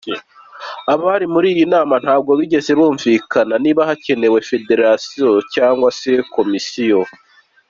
Abari muri iyi nama ntibigeze bumvikana niba hakenewe Federation cyangwa se Commission.